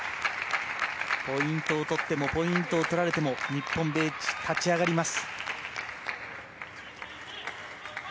ポイントを取ってもポイントを取られても日本ベンチは立ち上がります。